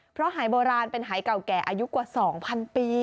เพราะหายโบราณเป็นหายเก่าแก่อายุกว่า๒๐๐ปี